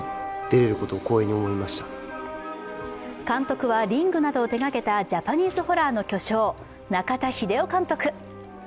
監督は「リング」などを手かげたジャパニーズホラーの巨匠、中田秀夫監督。